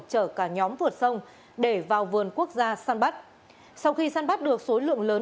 chở cả nhóm vượt sông để vào vườn quốc gia san bắt sau khi săn bắt được số lượng lớn